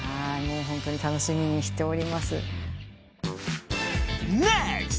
ホントに楽しみにしております。